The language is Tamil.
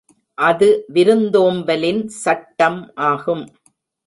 அது விருந்தோம்பலின் சட்டம் ஆகும்.